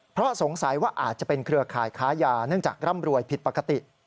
เพราะสงสัยว่าอาจจะเป็นเครือข่ายค้ายาเนื่องจากร่ำรวยผิดปกติ